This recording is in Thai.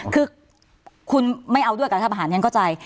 คือคุณไม่เอาด้วยกับรัฐประหารฉันเข้าใจ